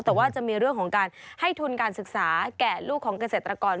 แต่ว่าจะมีเรื่องของการให้ทุนการศึกษาแก่ลูกของเกษตรกร